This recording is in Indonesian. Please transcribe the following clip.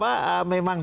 akhirnya sudah apa memang